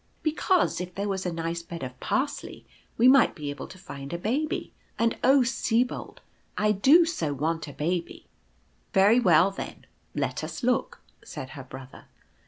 " Because if there was a nice bed of Parsley we might be able to find a Baby — And oh, Sibold, I do so want a Baby/' " Very well then, let us look," said her brother.